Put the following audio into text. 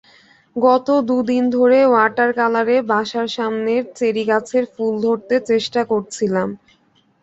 গত দু দিন ধরে ওয়াটার কালারে বাসার সামনের চেরি গাছের ফুল ধরতে চেষ্টা করছিলাম।